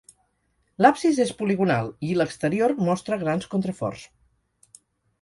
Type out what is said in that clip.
L'absis és poligonal, i l'exterior mostra grans contraforts.